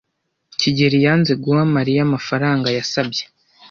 kigeli yanze guha Mariya amafaranga yasabye.